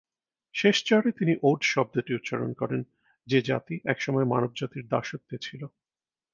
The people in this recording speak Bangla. শেষ চারে তিনি ওড শব্দটি উচ্চারণ করেন, যে জাতি একসময় মানবজাতির দাসত্বে ছিল।